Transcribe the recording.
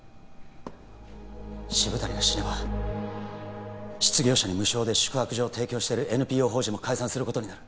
渋谷が死ねば失業者に無償で宿泊所を提供してるＮＰＯ法人も解散することになる